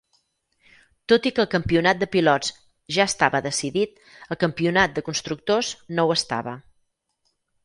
Tot i que el Campionat de Pilots ja estava decidit, el Campionat de Constructors no ho estava.